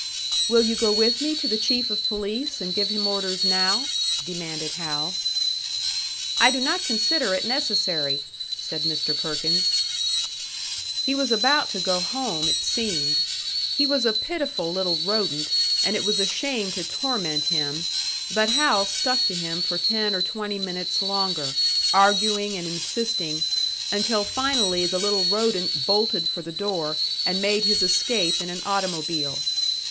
"Will you go with me to the Chief of Police and give him orders now?" demanded Hal. "I do not consider it necessary," said Mr. Perkins. He was about to go home, it seemed. He was a pitiful little rodent, and it was a shame to torment him; but Hal stuck to him for ten or twenty minutes longer, arguing and insisting until finally the little rodent bolted for the door, and made his escape in an automobile.